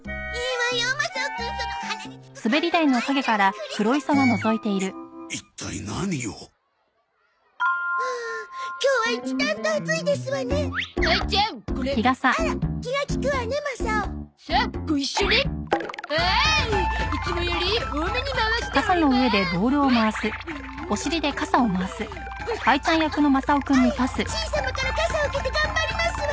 あいしん様から傘を受けて頑張りますわ。